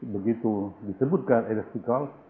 begitu disebutkan eli aspikal